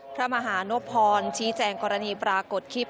พระมหานพรชี้แจงกรณีปรากฏคลิป